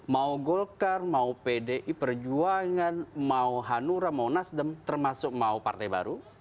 mau golkar mau pdi perjuangan mau hanura mau nasdem termasuk mau partai baru